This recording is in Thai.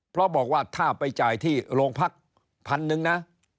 เพราะบอกว่าถ้าไปจ่ายที่โรงพักพันหนึ่งนะ